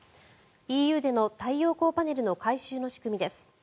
ＥＵでの太陽光パネルの回収の仕組みです。